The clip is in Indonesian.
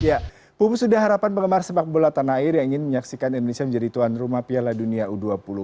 ya pupu sudah harapan penggemar sepak bola tanah air yang ingin menyaksikan indonesia menjadi tuan rumah piala dunia u dua puluh